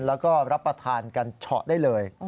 แล้วก็รับประทานกันเฉาะได้เลย